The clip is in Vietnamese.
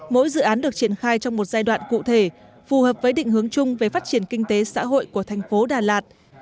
mỗi dự án được triển khai trong một giai đoạn cụ thể phù hợp với định hướng chung về phát triển kinh tế xã hội của thành phố đà lạt